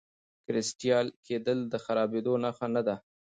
کرسټالي کېدل د خرابېدو نښه نه ده.